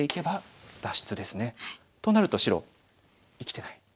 となると白生きてない。